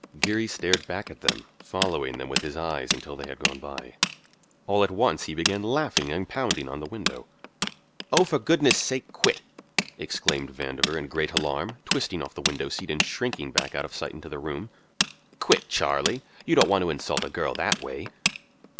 Geary stared back at them, following them with his eyes until they had gone by. All at once he began laughing and pounding on the window. "Oh, for goodness sake, quit!" exclaimed Vandover in great alarm, twisting off the window seat and shrinking back out of sight into the room. "Quit, Charlie; you don't want to insult a girl that way."